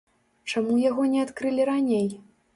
Чаму яго не адкрылі раней?